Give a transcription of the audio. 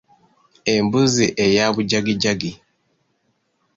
Embuzi eya bujagijagi .